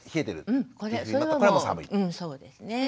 うんそうですね。